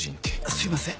すいません。